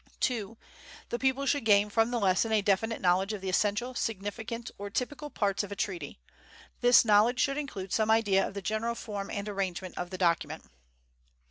2. The pupil should gain from the lesson a definite knowledge of the essential, significant, or typical parts of a treaty. This knowledge should include some idea of the general form and arrangement of the document.